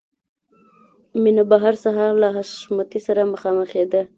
مینه به هر سهار له حشمتي سره مخامخېده